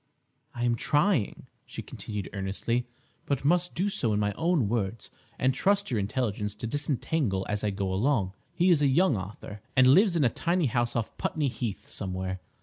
"I am trying," she continued earnestly, "but must do so in my own words and trust to your intelligence to disentangle as I go along. He is a young author, and lives in a tiny house off Putney Heath somewhere.